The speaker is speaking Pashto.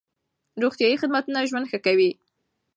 روغتيايي خدمتونه ژوند ښه کوي.